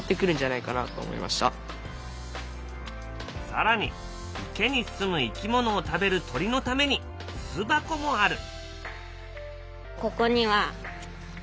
更に池にすむ生き物を食べる鳥のために巣箱もある。